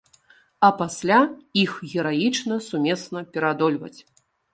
А пасля іх гераічна сумесна пераадольваць.